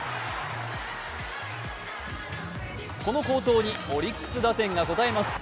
この好投にオリックス打線が応えます。